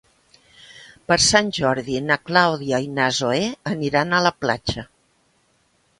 Per Sant Jordi na Clàudia i na Zoè aniran a la platja.